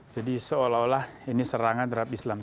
jadi seolah olah ini serangan terhadap islam